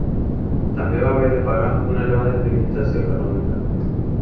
També va haver de pagar una elevada indemnització econòmica.